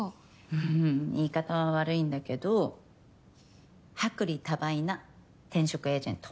うん言い方は悪いんだけど薄利多売な転職エージェント。